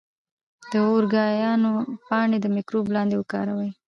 د اوریګانو پاڼې د مکروب لپاره وکاروئ